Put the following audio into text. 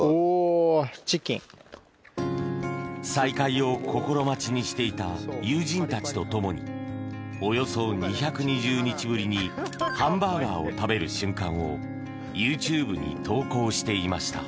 再開を心待ちにしていた友人たちと共におよそ２２０日ぶりにハンバーガーを食べる瞬間をＹｏｕＴｕｂｅに投稿していました。